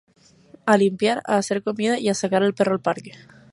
A limpiar, a hacer comida y a sacar al perro al parque.